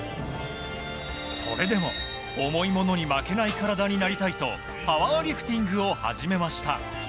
それでも重いものに負けない体になりたいとパワーリフティングを始めました。